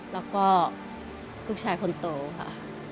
แล้วก็ลูกชายคนโตค่ะ